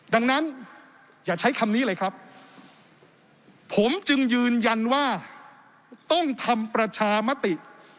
ดังนั้นอย่าใช้คำนี้เลยครับผมจึงยืนยันว่าต้องทำประชามติ